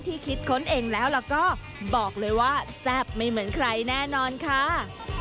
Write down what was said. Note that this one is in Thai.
คิดค้นเองแล้วแล้วก็บอกเลยว่าแซ่บไม่เหมือนใครแน่นอนค่ะ